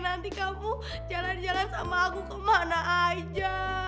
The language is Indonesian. nanti kamu jalan jalan sama aku kemana aja